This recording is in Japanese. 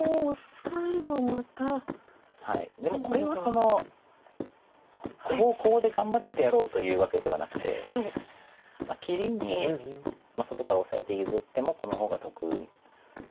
でもこれはここをコウで頑張ってやろうというわけではなくて切りに外からオサえて譲ってもこの方が得。